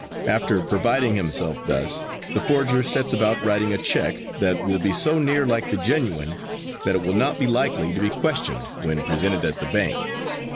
After providing himself thus the forger sets about writing a check that will be so near like the genuine that it will not be likely to be questioned when presented at the bank.